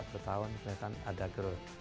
per tahun kelihatan ada growth